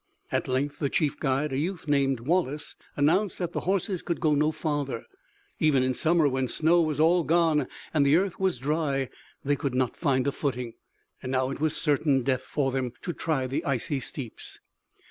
At length the chief guide, a youth named Wallace, announced that the horses could go no farther. Even in summer when the snow was all gone and the earth was dry they could not find a footing. Now it was certain death for them to try the icy steeps.